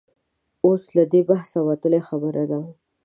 اوس له دې بحثه وتلې خبره ده.